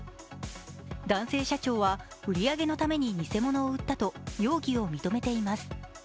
男性社長は、売り上げのために偽物を売ったと容疑を認めています。